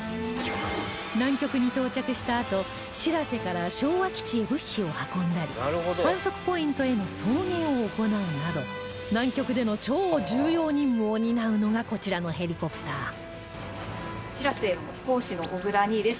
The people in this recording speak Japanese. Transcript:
南極に到着したあと「しらせ」から昭和基地へ物資を運んだり観測ポイントへの送迎を行うなど南極での超重要任務を担うのがこちらのヘリコプター「しらせ」の飛行士の小倉２尉です。